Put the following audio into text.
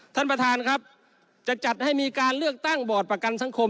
ท่านประธานครับจะจัดให้มีการเลือกตั้งบอร์ดประกันสังคม